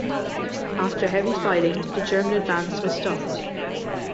After heavy fighting, the German advance was stopped.